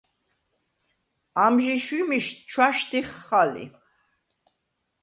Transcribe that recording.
ამჟი შვიმიშდ ჩვაშდიხხ ალი.